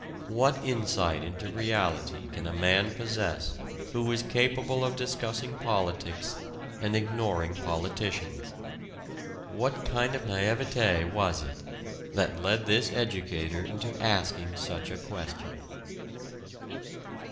What insight into reality can a man possess who is capable of discussing politics and ignoring politicians? What kind of naïveté was it that led this educator into asking such a question?